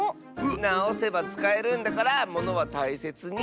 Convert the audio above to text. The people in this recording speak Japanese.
なおせばつかえるんだからものはたいせつに。